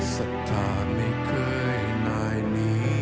สถานไม่เคยนายนี้